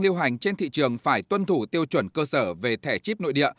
lưu hành trên thị trường phải tuân thủ tiêu chuẩn cơ sở về thẻ chip nội địa